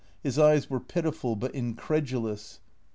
His eyes were pitiful but incredulous.